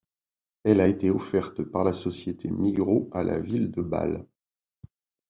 Elle a été offerte par la société Migros à la ville de Bâle.